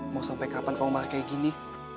mau sampai kapan kau malah kayak gini